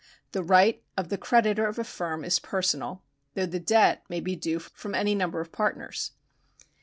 The right of the creditor of a firm is personal, though the debt may be due from any number of partners.